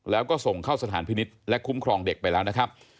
แล้วก็ส่งเข้าสถานพินิษฐ์และคุ้มครองเด็กไปแล้วนะครับ